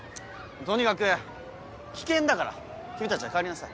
とにかく危険だから君たちは帰りなさい。